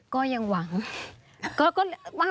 ก็ยังหวัง